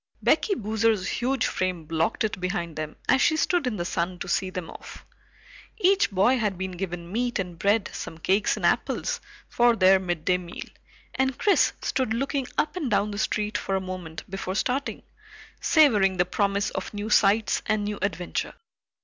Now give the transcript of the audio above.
Becky Boozer's huge frame blocked it behind them as she stood in the sun to see them off. Each boy had been given meat and bread, some cakes and apples, for their midday meal, and Chris stood looking up and down the street for a moment before starting, savoring the promise of new sights and new adventure.